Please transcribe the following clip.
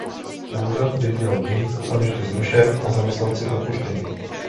Úřad by měl být okamžitě zrušen a zaměstnanci propuštěni.